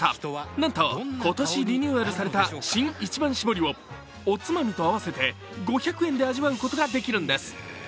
なんと今年リニューアルされた新一番搾りをおつまみと合わせて５００円で味わうことができるんです。